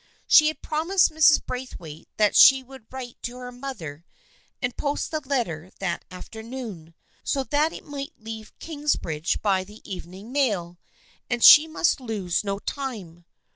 She had promised Mrs. Braithwaite that she would write to her mother and post the letter that afternoon, so that it might leave Kingsbridge by the evening mail, and she must lose no time.